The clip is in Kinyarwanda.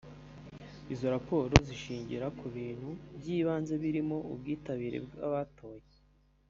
Izo raporo zishingira ku bintu byibanze birimo ubwitabire bw’abatoye